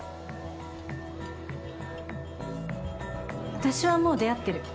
私はもう出会ってる。